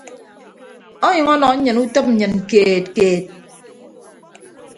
Onyʌñ ọnọ nnyịn utịp nnyịn keed keed.